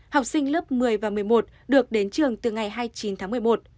học sinh lớp một mươi và một mươi một được đến trường từ ngày hai mươi chín tháng một mươi một